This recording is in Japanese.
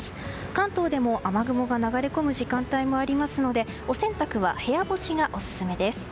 関東でも雨雲が流れ込む時間帯もありますのでお洗濯は部屋干しがオススメです。